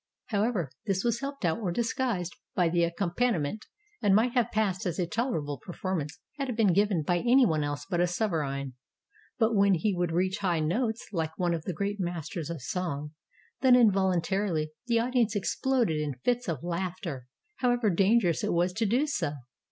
However, this was helped out or disguised by the accompaniment, and might have passed as a tolerable performance had it been given by any one else but a sovereign. But when he would reach high notes Hke one of the great masters of song, then involuntarily the audience exploded into fits of laughter, however dangerous it was to do so.